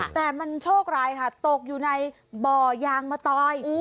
แต่มันโชคร้ายค่ะตกอยู่ในบ่อยางมะตอย